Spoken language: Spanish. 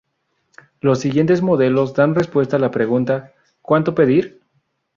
Los siguientes modelos dan respuesta a la pregunta: ¿Cuánto pedir?